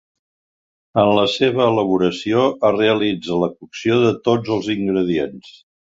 En la seva elaboració es realitza la cocció de tots els ingredients.